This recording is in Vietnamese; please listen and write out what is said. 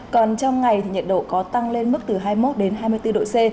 còn trong ngày thì nhiệt độ có tăng lên mức từ hai mươi một đến hai mươi bốn độ c